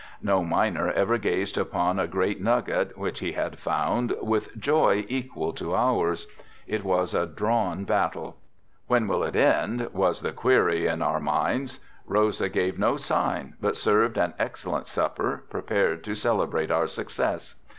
No miner ever gazed upon a great nugget which he had found, with joy equal to ours. It was a drawn battle. When will it end? was the query in our minds. Rosa gave no sign but served an excellent supper, prepared to celebrate our success.